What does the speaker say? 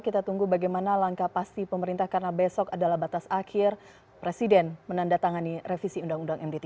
kita tunggu bagaimana langkah pasti pemerintah karena besok adalah batas akhir presiden menandatangani revisi undang undang md tiga